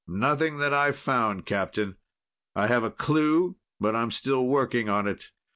"Nothing that I've found, Captain. I have a clue, but I'm still working on it.